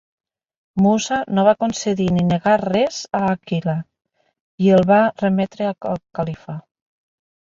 Mussa no va concedir ni negar res a Àquila, i el va remetre al califa.